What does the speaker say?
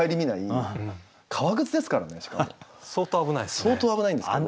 相当危ないですよね。